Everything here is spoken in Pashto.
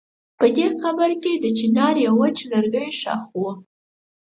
په دې قبر کې د چنار يو وچ لرګی ښخ و.